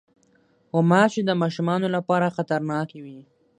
غوماشې د ماشومو لپاره خطرناکې وي.